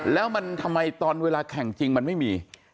แล้วมันทำไมตอนเวลาแข่งจริงมันไม่มี